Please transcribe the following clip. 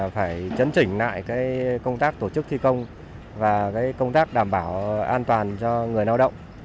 phải chấn chỉnh lại công tác tổ chức thi công và công tác đảm bảo an toàn cho người lao động